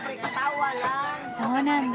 そうなんだ。